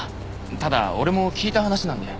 ただ俺も聞いた話なんで。